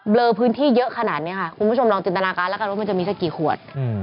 เลอพื้นที่เยอะขนาดนี้ค่ะคุณผู้ชมลองจินตนาการแล้วกันว่ามันจะมีสักกี่ขวด